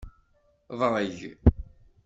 Ḍreg.